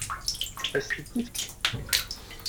Ad s-ten-tefk?